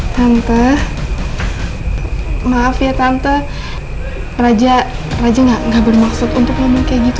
tante maaf ya tante raja raja nggak nggak bermaksud untuk ngomong kayak gitu